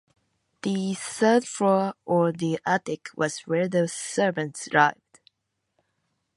The third floor, or the attic, was where the servants lived.